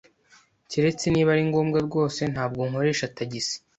Keretse niba ari ngombwa rwose, ntabwo nkoresha tagisi.